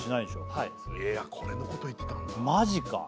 はいこれのこと言ってたんだマジか！